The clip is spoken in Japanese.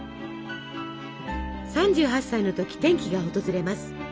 ３８歳の時転機が訪れます。